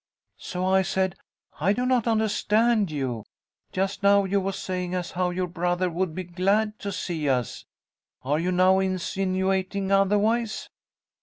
So I said, 'I do not understand you. Just now you was saying as how your brother would be glad to see us. Are you now insinuating otherwise?'